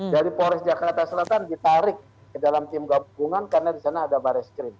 dari polres jakarta selatan ditarik ke dalam tim gabungan karena di sana ada baris krim